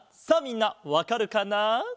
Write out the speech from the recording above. さあみんなわかるかな？